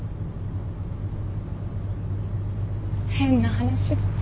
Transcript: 変な話です。